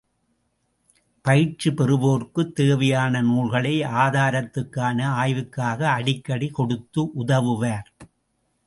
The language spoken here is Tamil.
பயிற்சி பெறுவோருக்குத் தேவையான நூல்களை ஆதாரத்துக்கான ஆய்வுக்காக அடிக்கடி கொடுத்து உதவுவார்.